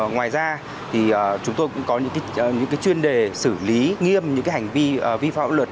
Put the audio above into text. ngoài ra chúng tôi cũng có những chuyên đề xử lý nghiêm những hành vi vi pháp luật